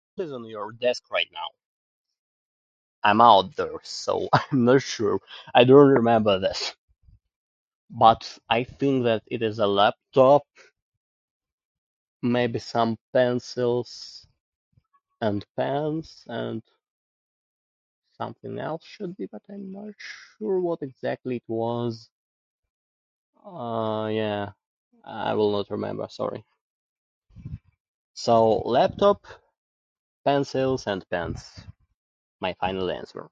...is on your desk right now? I'm out there, so I'm not sure, I don't remember this. But I think that it is a laptop, maybe some pencils and pens, and something else should be, but I'm not sure what exactly was... uh, yeah, I will not remember, sorry. So laptop, pencils, and pens. My final answer.